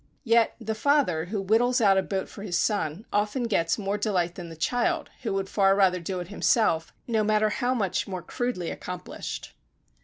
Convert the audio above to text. Yet the father, who whittles out a boat for his son, often gets more delight than the child, who would far rather do it himself, no matter how much more crudely accomplished.